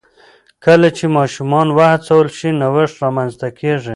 کله چې ماشومان وهڅول شي، نوښت رامنځته کېږي.